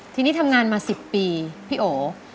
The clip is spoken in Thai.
ทีนี้ทำงานมา๑๐ปีพี่โอ